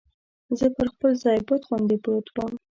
زه پر خپل ځای بت غوندې پروت ووم.